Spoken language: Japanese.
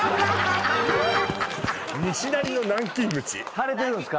腫れてるんですか？